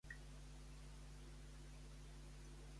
A qui li va presentar a en Pelifet?